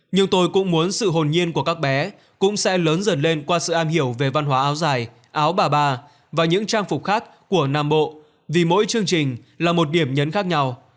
nhưng tôi cũng muốn sự hồn nhiên của các bé cũng sẽ lớn dần lên qua sự am hiểu về văn hóa áo dài áo bà bà và những trang phục khác của nam bộ vì mỗi chương trình là một điểm nhấn khác nhau